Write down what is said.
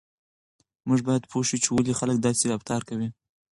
موږ باید پوه شو چې ولې خلک داسې رفتار کوي.